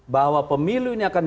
bahwa pemilih ini akan